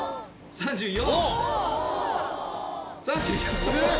３４。